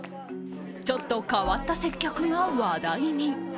ちょっと変わった接客が話題に。